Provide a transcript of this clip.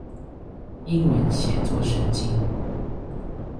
英文寫作聖經